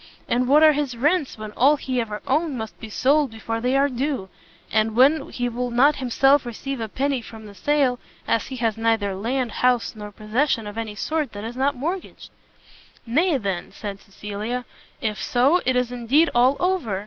and what are his rents, when all he ever owned must be sold before they are due, and when he will not himself receive a penny from the sale, as he has neither land, house, nor possession of any sort that is not mortgaged?" "Nay, then," said Cecilia, "if so, it is indeed all, over!